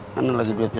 mana lagi dia itu